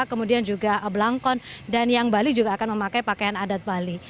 kemudian juga belangkon dan yang bali juga akan memakai pakaian adat bali